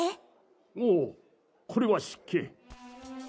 おぉこれは失敬。